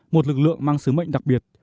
một lực lượng mang sứ mệnh đặc biệt